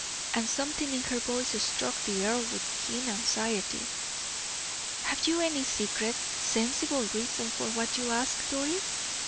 And something in her voice struck the earl with keen anxiety. "Have you any secret, sensible reason for what you ask, Doris?"